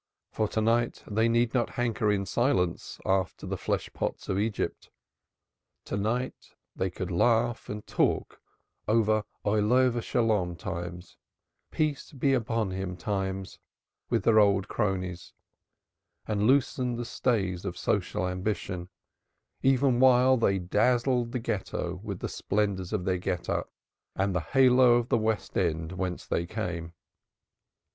For to night they need not hanker in silence after the flesh pots of Egypt. To night they could laugh and talk over Olov hasholom times "Peace be upon him" times with their old cronies, and loosen the stays of social ambition, even while they dazzled the Ghetto with the splendors of their get up and the halo of the West End whence they came.